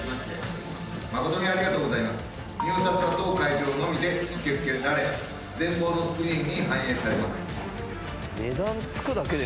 入札は当会場のみで受け付けられ前方のスクリーンに反映されます。